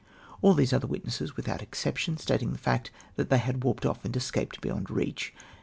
" All the other mtnesses, without exception, stating the fact that they had warped off and escaped beyond reach